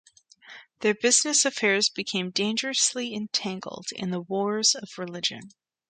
Their business affairs became dangerously entangled in the Wars of Religion.